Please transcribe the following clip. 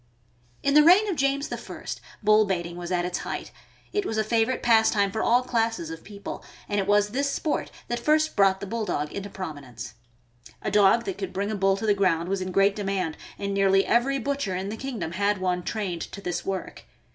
In the reign of James I. , bull baiting was at its height. It was a favorite pastime for all classes of people, and it was this sport that first brought the Bulldog into promi nence. A dog that could bring a bull to the ground was in great demand, and nearly every butcher in the kingdom had one trained to this work.